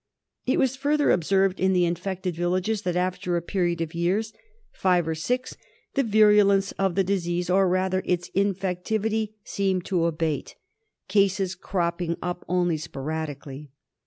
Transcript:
It was further observed in the infected villages, that after a period of years — five or six — the virulence of the disease, or rather its infectivity, seemed to abate, cases cropping up only sporadically.